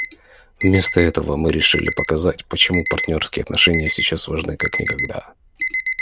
Вместо этого мы решили показать, почему партнерские отношения сейчас важны как никогда.